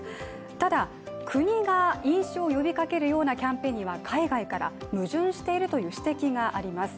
ただ、国が飲酒を呼びかけるようなキャンペーンには海外から矛盾しているという指摘があります。